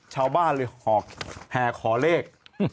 ชาวบ้านเลยหอกแห่ขอเลข